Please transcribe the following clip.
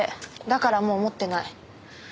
だからもう持ってない。